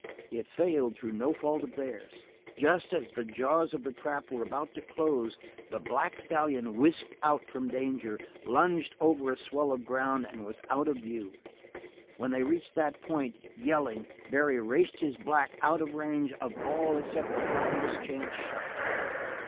It failed through no fault of theirs. Just as the jaws of the trap were about to close the black stallion whisked out from danger, lunged over a swell of ground, and was out of view. When they reached that point, yelling, Barry raced his black out of range of all except the wildest chance shot.